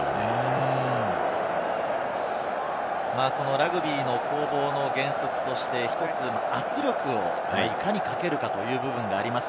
ラグビーの攻防の原則として一つ、圧力をいかにかけるかということがあります。